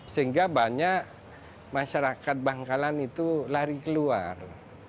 sehingga banyak masyarakat bangkalan itu lari keluar